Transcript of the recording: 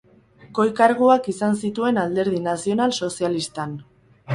Goi-karguak izan zituen Alderdi Nazional Sozialistan.